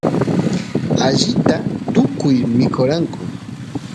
allita tukuy mikoranku